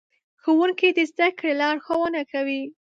ښوونکي د زدهکړې لارښوونه کوي.